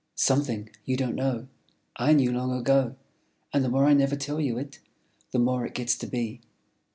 Something You don't know! I knew long ago. And the more I never tell you it, The more it gets to be.